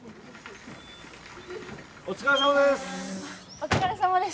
お疲れさまです。